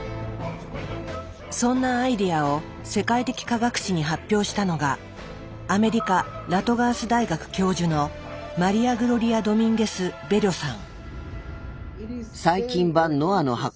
そんなアイデアを世界的科学誌に発表したのがアメリカ・ラトガース大学教授のマリア・グロリア・ドミンゲス＝ベリョさん。